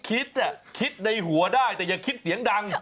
คุณคิดในหัวได้แต่ยังคิดเสียงดัง